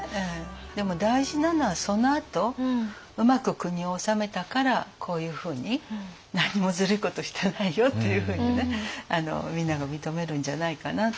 でも大事なのはそのあとうまく国を治めたからこういうふうに何もずるいことしてないよっていうふうにねみんなが認めるんじゃないかなと思います。